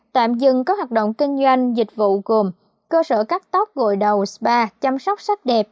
tạm dừng các hoạt động kinh doanh dịch vụ gồm cơ sở cắt tóc gội đầu spa chăm sóc sắc đẹp